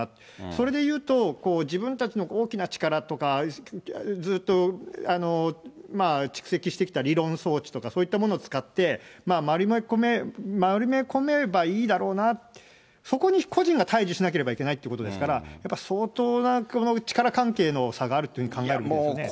それで言うと、自分たちの大きな力とか、ずっと蓄積してきた理論装置とかそういったものを使って、丸め込めばいいだろうな、そこに個人が対じしなければいけないってことですから、やっぱり相当な力関係の差があるというふうに考えられますね。